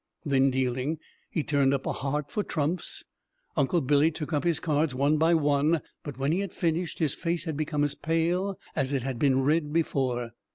Then dealing, he turned up a heart for trumps. Uncle Billy took up his cards one by one, but when he had finished his face had become as pale as it had been red before.